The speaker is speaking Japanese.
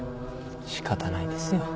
仕方ないですよ。